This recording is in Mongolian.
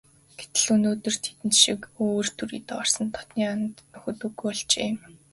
Гэтэл өнөөдөр тэдэн шиг өвөр түрийдээ орсон дотнын анд нөхөд үгүй болжээ.